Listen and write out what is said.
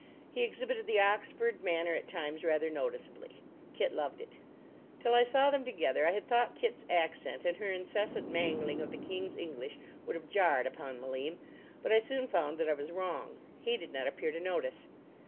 He exhibited the Oxford manner at times rather noticeably. Kit loved it. Till I saw them together I had thought Kit's accent and her incessant mangling of the King's English would have jarred upon Malim. But I soon found that I was wrong. He did not appear to notice.